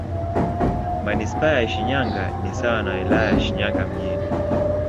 Manisipaa ya Shinyanga ni sawa na Wilaya ya Shinyanga Mjini.